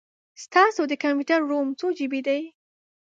ستاسو د کمپیوټر رم څو جې بې دی؟